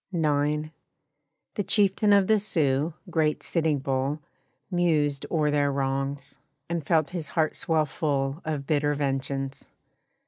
IX. The chieftain of the Sioux, great Sitting Bull, Mused o'er their wrongs, and felt his heart swell full Of bitter vengeance.